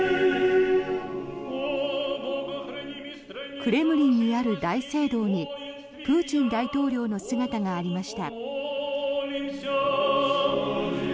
クレムリンにある大聖堂にプーチン大統領の姿がありました。